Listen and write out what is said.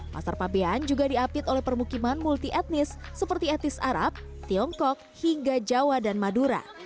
pasar fabian juga diapit oleh permukiman multi etnis seperti etnis arab tiongkok hingga jawa dan madura